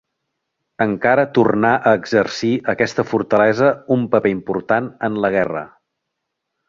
Encara tornà a exercir aquesta fortalesa un paper important en la guerra.